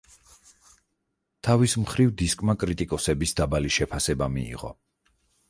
თავის მხრივ, დისკმა კრიტიკოსების დაბალი შეფასება მიიღო.